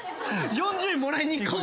４０円もらいに行こう。